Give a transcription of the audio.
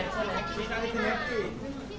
สวัสดีครับ